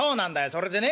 それでね